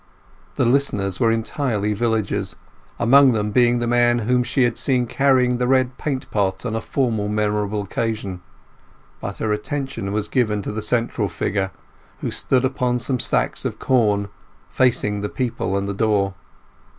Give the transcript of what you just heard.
The listeners were entirely villagers, among them being the man whom she had seen carrying the red paint pot on a former memorable occasion. But her attention was given to the central figure, who stood upon some sacks of corn, facing the people and the door.